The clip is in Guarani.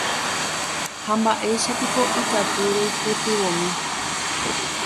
Ha mba'éichapiko ikatu roipytyvõmi